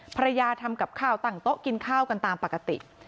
ภรรยาทำกับข้าวตั้งโต๊ะกินข้าวกันตามปกติ